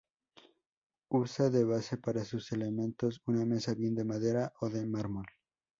Usa de base para sus elementos una mesa bien de madera o de mármol.